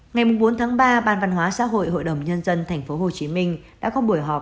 ngày bốn tháng ba ban văn hóa xã hội hội đồng nhân dân tp hcm đã có buổi họp